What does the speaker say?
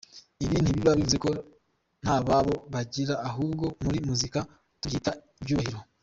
Ibi ntibiba bivuze ko nta zabo bagira ahubwo muri muzika tubyita icyubahiro.